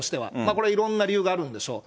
これ、いろんな理由があるんでしょう。